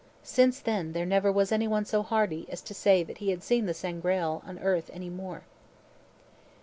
Since then was there never one so hardy as to say that he had seen the Sangreal on earth any more.